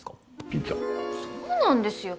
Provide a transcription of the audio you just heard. そうなんですよ。